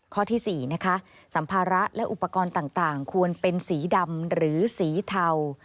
ข้อที่๔นะคะสัมภาระและอุปกรณ์ต่างควรเป็นสีดำหรือสีเทา